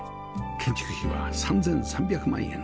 建築費は３３００万円